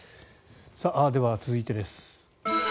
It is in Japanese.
では、続いてです。